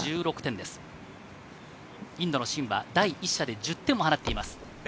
インドのシンは第１射で１０点を射抜いています。